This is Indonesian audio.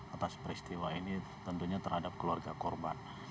atas peristiwa ini tentunya terhadap keluarga korban